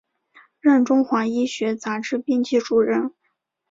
任中华医学杂志编辑主任。